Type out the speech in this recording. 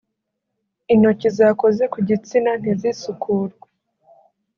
intokizakoze ku gitsina ntizisukurwe